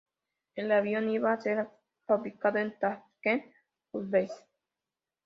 El avión iba a ser fabricado en Tashkent, Uzbekistán.